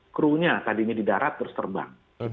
crew nya tadi ini di darat terus terbang